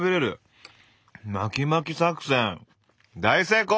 巻き巻き作戦大成功！